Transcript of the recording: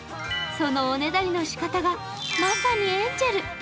そのおねだりのしかたが、まさにエンジェル。